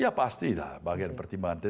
ya pasti lah bagian pertimbangan itu